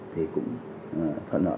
thì cũng thuận lợi